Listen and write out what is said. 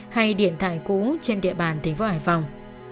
hay điện thoại cũ trên địa bàn tỉnh võ hải phòng